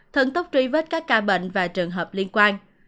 thần tốc truy vết các ca bệnh và trường hợp liên quan